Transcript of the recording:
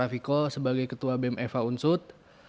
afiko sebagai ketua bm eva unsud